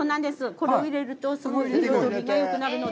これを入れるとすごい彩りがよくなるので。